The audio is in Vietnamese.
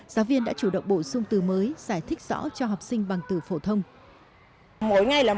giáo viên đã chủ động bổ sung từ mới giải thích rõ cho học sinh bằng từ phổ thông